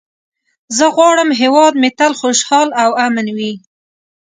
زه غواړم هېواد مې تل خوشحال او امن وي.